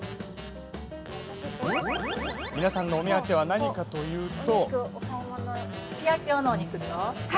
皆さんのお目当ては何かというと。